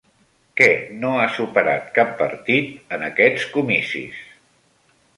Què no ha superat cap partit en aquests comicis?